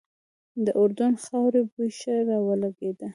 د اردن د خاورې بوی ښه را ولګېده.